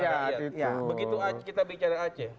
begitu kita bicara aceh